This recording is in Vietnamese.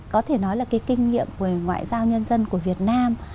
có thể nói là cái kinh nghiệm của ngoại giao nhân dân của việt nam